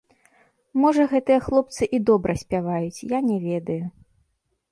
Можа гэтыя хлопцы і добра спяваюць, я не ведаю.